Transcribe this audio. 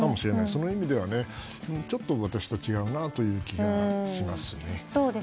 その意味ではちょっと私と違うのかなという気がしますね。